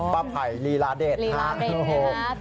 ป้าไผ่ลีลาเดชฮะ